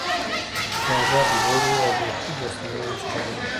دا غږ لوړ و او بیخي دوستانه نه ښکاریده